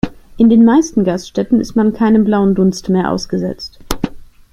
In den meisten Gaststätten ist man keinem blauen Dunst mehr ausgesetzt.